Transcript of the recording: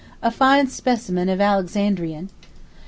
a fine specimen of Alexandrian.